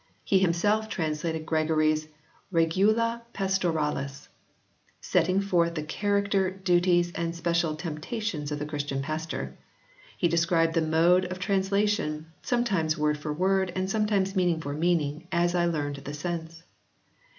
He himself translated Gregory s Regula Pastoralis, setting forth the character, duties and special tempta tions of the Christian pastor. He describes the mode of translation "sometimes word for word, and some times meaning for meaning, as I learned the sense."